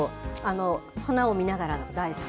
花を見ながら大好き。